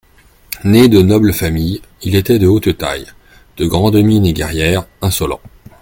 Né de noble famille, il était de haute taille, de grande mine et guerrière, insolent.